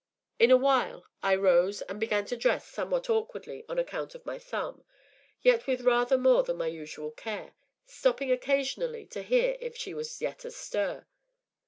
In a while I rose and began to dress somewhat awkwardly, on account of my thumb, yet with rather more than my usual care, stopping occasionally to hear if she was yet astir.